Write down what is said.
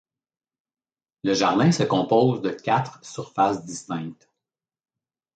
Le jardin se compose de quatre surfaces distinctes.